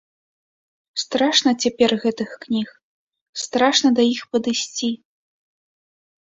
Страшна цяпер гэтых кніг, страшна да іх падысці.